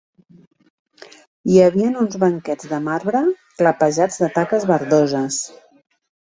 Hi havien uns banquets de marbre, clapejats de taques verdoses